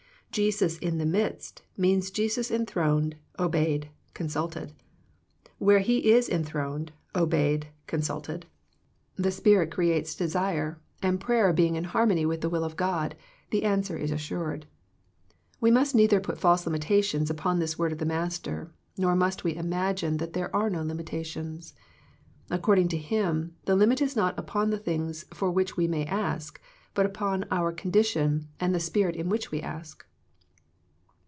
"Jesus in the midst" means Jesus enthroned, obeyed, consulted. Where He is enthroned, obeyed, consulted, the Spirit 108 THE PEACTICE OP PRAYEE creates desire, and prayer being in harmony witti the will of God, the answer is assured. We must neither put false limitations upon this word of the Master, nor must we imagine that there are no limitations. According to Him, the limit is not upon the things for which we may ask, but upon our condition and the Spirit in which we ask.